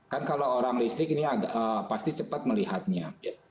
kan kalau orang listrik ini pasti cepat melihatnya